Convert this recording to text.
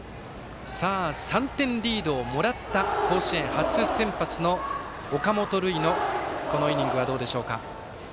３点リードをもらった甲子園初先発の岡本琉奨のこのイニングはどうでしょうか。